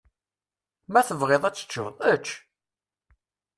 Ma tebɣiḍ ad teččeḍ, ečč.